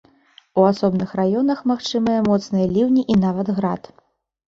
У асобных раёнах магчымыя моцныя ліўні і нават град.